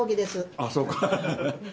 ああ、そうか。